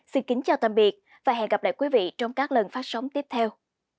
xin kính chào tạm biệt và hẹn gặp lại quý vị trong các lần phát sóng tiếp theo